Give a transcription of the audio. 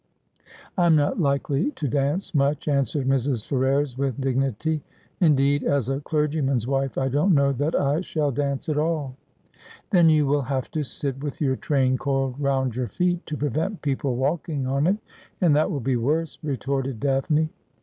' I am not likely to dance much,' answered Mrs. Ferrers, with dignity. ' Indeed, as a clergyman's wife, I don't know that I shall dance at all.' 218 Asphodel. ' Then you will have to sit with your train coiled round your feet to prevent people walking on it, and that will be worse,' re torted Daphne.